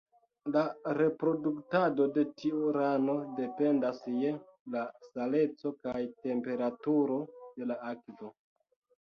La reproduktado de tiu rano dependas je la saleco kaj temperaturo de la akvo.